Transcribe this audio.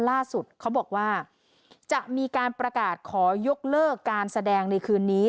ล่าสุดเขาบอกว่าจะมีการประกาศขอยกเลิกการแสดงในคืนนี้